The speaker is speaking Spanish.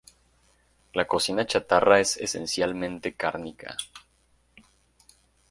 La cocina charra es esencialmente cárnica.